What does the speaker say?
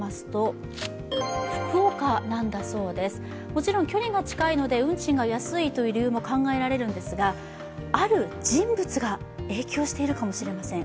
もちろん距離が近いので運賃が安いという理由も考えられるんですがある人物が影響しているかもしれません。